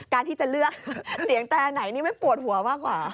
การที่จะเลือกเสียงแต่ไหนนี่ไม่ปวดหัวมากกว่า